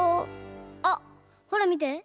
あっほらみて。